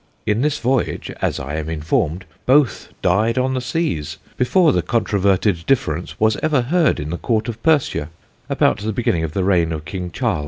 In this Voyage (as I am informed) both died on the Seas, before the controverted difference was ever heard in the Court of Persia, about the beginning of the Reign of King Charles.